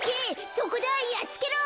そこだやっつけろ！